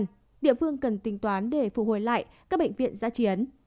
nhưng địa phương cần tính toán để phục hồi lại các bệnh viện giã chiến